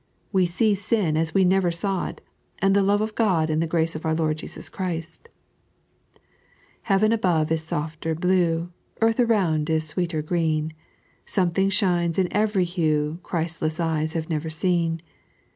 We see sin as we never saw it, and the love of God and the grace of our Lord JesuR Christ. Heaven sbovs ia Bofter blue, Eartb aroand ia Bweeter green ; Something sliiiiei in ereiy bus Christless ejes have never seen.